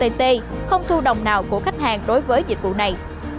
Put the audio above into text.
để tìm kiếm hiệu quả nào của khách hàng đối với dịch vụ này